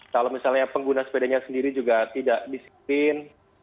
kalau misalnya pengguna sepedanya sendiri juga tidak disiplin